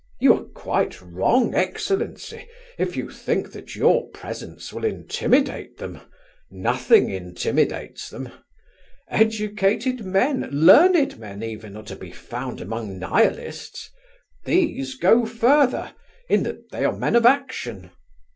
You are quite wrong, excellency, if you think that your presence will intimidate them; nothing intimidates them. Educated men, learned men even, are to be found among Nihilists; these go further, in that they are men of action.